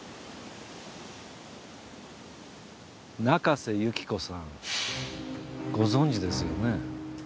中瀬由紀子さんご存じですよね？